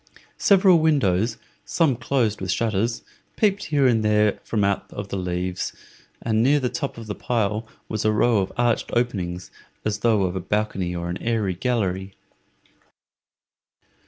Several windows, some closed with shutters, peeped here and there from out the leaves, and near the top of the pile was a row of arched openings, as though of a balcony or an airy gallery.